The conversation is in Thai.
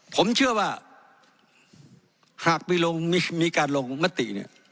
ผมเชื่อว่าหากมีการลงมติเนี่ย